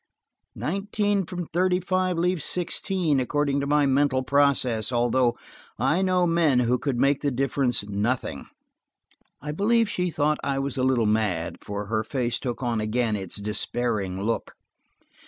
Nineteen from thirty five leaves sixteen, according to my mental process, although I know men who could make the difference nothing." I believe she thought I was a little mad, for her face took on again its despairing look.